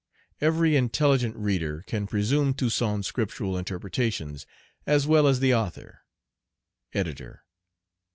Every intelligent reader can presume Toussaint's Scriptural interpretations as well as the author.